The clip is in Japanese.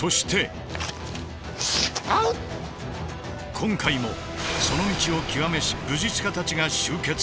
今回もその道を極めし武術家たちが集結。